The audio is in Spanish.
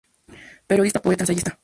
Periodista, poeta, ensayista.